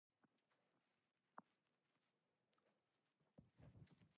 では、その賊のほんとうの年はいくつで、どんな顔をしているのかというと、それは、だれひとり見たことがありません。